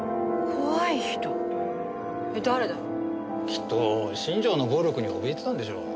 きっと新庄の暴力におびえてたんでしょう。